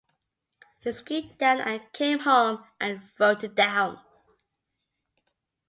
He skied down and came home and wrote it down...